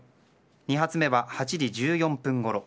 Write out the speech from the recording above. ２発目は８時１４分ごろ